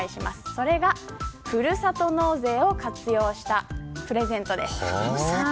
それがふるさと納税を活用したプレゼントです。